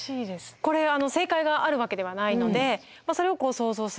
これ正解があるわけではないのでそれを想像する。